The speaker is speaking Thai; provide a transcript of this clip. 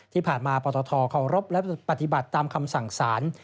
ที่ผ่านมาปตทเคารพและปฏิบัติตามคำสั่งสาร